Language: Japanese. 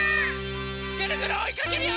ぐるぐるおいかけるよ！